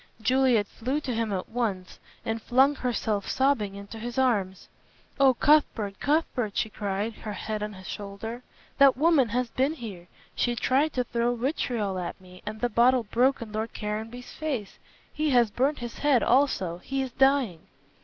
Juliet flew to him at once and flung herself sobbing into his arms. "Oh, Cuthbert Cuthbert!" she cried, her head on his shoulder, "that woman has been here. She tried to throw vitriol at me, and the bottle broke on Lord Caranby's face. He has burnt his head also; he is dying."